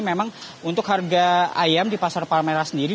memang untuk harga ayam di pasar palmerah sendiri